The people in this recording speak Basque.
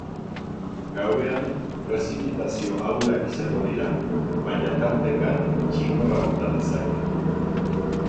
Gauean, prezipitazio ahulak izango dira, baina tarteka txingorra bota dezake.